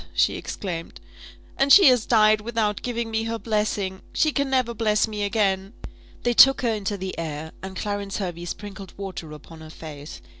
she exclaimed; "and she has died without giving me her blessing! She can never bless me again." They took her into the air, and Clarence Hervey sprinkled water upon her face.